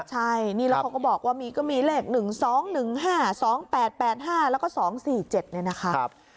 ใช่นี่เราก็บอกว่ามีเลข๑๒๑๕๒๘๘๕แล้วก็๒๔๗เลยนะครับ